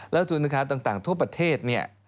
แล้วศูนย์สาขาต่างทั่วประเทศเนี่ย